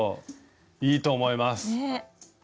いいと思います。